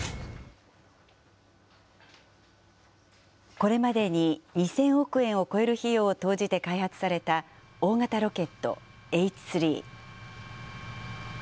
これまでに２０００億円を超える費用を投じて開発された、大型ロケット、Ｈ３。